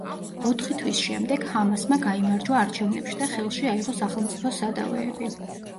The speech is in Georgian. ოთხი თვის შემდეგ ჰამასმა გაიმარჯვა არჩევნებში და ხელში აიღო სახელმწიფოს სადავეები.